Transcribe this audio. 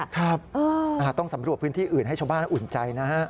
ครับต้องสำรวจพื้นที่อื่นให้ชาวบ้านอุ่นใจนะฮะ